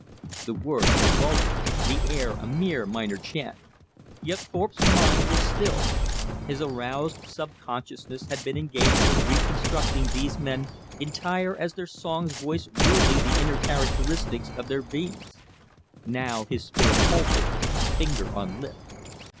The words were vulgar, the air a mere minor chant. Yet Thorpe's mind was stilled. His aroused subconsciousness had been engaged in reconstructing these men entire as their songs voiced rudely the inner characteristics of their beings. Now his spirit halted, finger on lip.